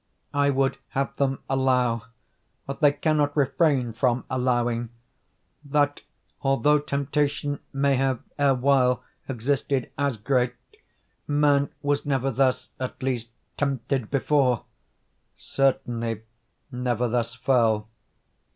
I would have them allow—what they cannot refrain from allowing—that, although temptation may have erewhile existed as great, man was never thus, at least, tempted before—certainly, never thus fell.